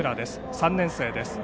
３年生です。